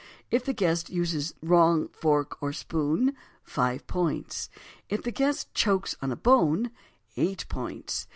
If the guest uses wrong fork or spoon, 5 points. If the guest chokes on bone, 8 points.